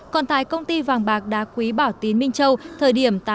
còn tại công ty vàng bạc đa quý bảo tín minh châu thời điểm tám h